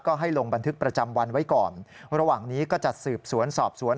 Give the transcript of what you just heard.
ก็ให้ลงบันทึกประจำวันไว้ก่อนระหว่างนี้ก็จะสืบสวนสอบสวน